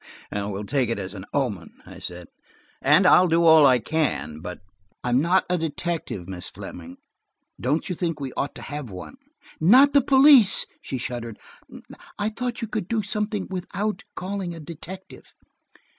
"We will take it as an omen," I said, "and I will do all that I can. But I am not a detective, Miss Fleming. Don't you think we ought to have one?" "Not the police!" she shuddered. "I thought you could do something without calling a detective."